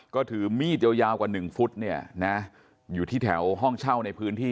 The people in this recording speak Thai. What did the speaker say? ก็ถือมีดยาวกว่า๑ฟุตเนี่ยนะอยู่ที่แถวห้องเช่าในพื้นที่